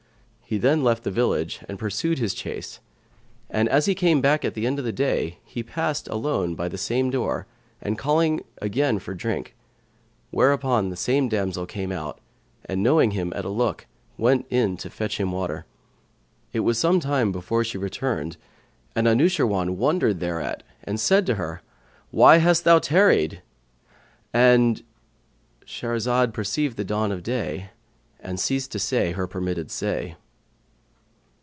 He then left the village and pursued his chase; and, as he came back at the end of the day, he passed alone by the same door and called again for drink; whereupon the same damsel came out and, knowing him at a look, went in to fetch him water. It was some time before she returned and Anushirwan wondered thereat and said to her, "Why hast thou tarried?"—And Shahrazad perceived the dawn of day and ceased to say her permitted say.